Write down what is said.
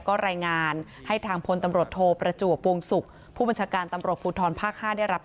ก็รายงานให้ทางพลตำรวจโทเปราจวกปวงสุขผู้บัญชาการตำรวจภูทรภัค๕